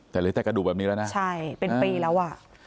แต่เหลือแต่กระดูกแบบนี้แล้วนะใช่เป็นปีแล้วอ่ะ